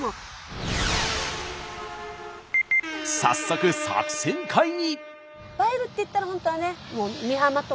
早速作戦会議！